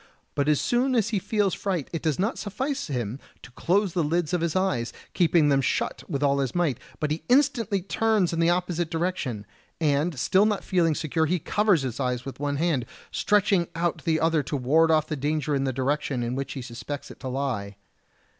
But as soon as he feels fright it does not suffice him to close the lids of his eyes, keeping them shut with all his might, but he instantly turns in the opposite direction; and still not feeling secure he covers his eyes with one hand, stretching out the other to ward off the danger in the direction in which he suspects it to lie.